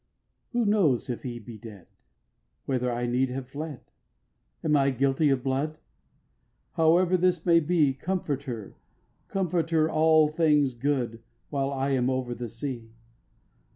9. Who knows if he be dead? Whether I need have fled? Am I guilty of blood? However this may be, Comfort her, comfort her, all things good, While I am over the sea!